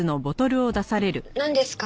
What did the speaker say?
なんですか？